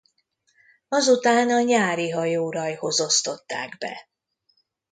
Azután a Nyári Hajórajhoz osztották be.